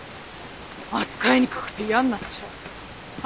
扱いにくくて嫌になっちゃう。